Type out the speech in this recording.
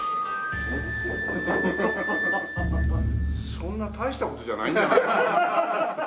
そんな大した事じゃないんじゃないかな。